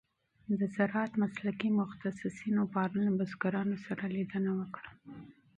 د زراعت مسلکي متخصصینو پرون له بزګرانو سره لیدنه وکړه.